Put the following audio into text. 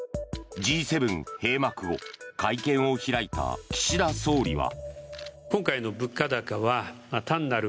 Ｇ７閉幕後、会見を開いた岸田総理は。